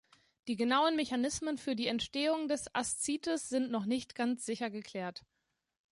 Die genauen Mechanismen für die Entstehung des Aszites sind noch nicht ganz sicher geklärt.